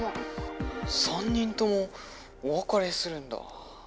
３人ともおわかれするんだ。